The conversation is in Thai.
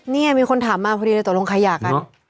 นี่มีคนถามมาพอดีเลยตกลงใครหย่ากัน